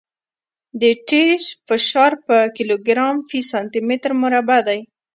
د ټیر فشار په کیلوګرام فی سانتي متر مربع دی